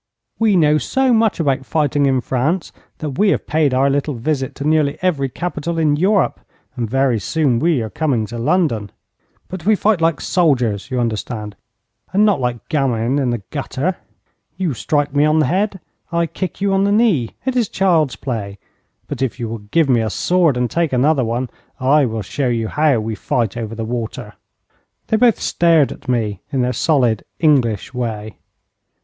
We know so much about fighting in France, that we have paid our little visit to nearly every capital in Europe, and very soon we are coming to London. But we fight like soldiers, you understand, and not like gamins in the gutter. You strike me on the head. I kick you on the knee. It is child's play. But if you will give me a sword, and take another one, I will show you how we fight over the water.' They both stared at me in their solid, English way.